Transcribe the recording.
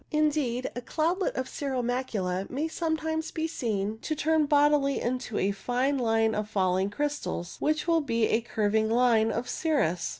Indeed, a cloudlet of cirro macula may sometimes be seen to turn bodily into a fine line of falling crystals, which will be a curving line of cirrus.